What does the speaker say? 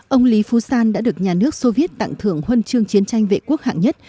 ông lý phú san đã được nhà nước soviet tặng thưởng huân chương chiến tranh vệ quốc hạng nhất